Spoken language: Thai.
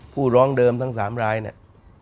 ผู้ร้องเดิมทั้ง๓รายเนี่ย